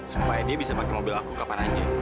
supaya dia bisa pakai mobil aku kapan aja